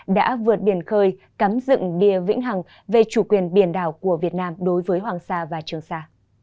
đã vượt biển khơi cắm dựng đìa vĩnh hằng về chủ quyền biển đảo của việt nam đối với hoàng sa và trường sa